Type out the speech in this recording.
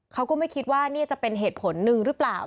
เขาก็ไม่คิดว่านี่จะเป็นเหตุผลหนึ่งหรือเปล่า